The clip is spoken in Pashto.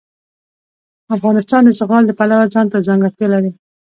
افغانستان د زغال د پلوه ځانته ځانګړتیا لري.